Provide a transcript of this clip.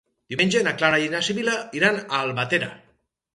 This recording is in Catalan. Diumenge na Clara i na Sibil·la iran a Albatera.